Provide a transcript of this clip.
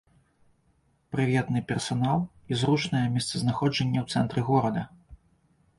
Прыветны персанал і зручнае месцазнаходжанне ў цэнтры горада.